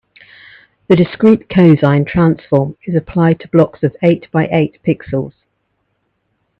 The discrete cosine transform is applied to blocks of eight by eight pixels.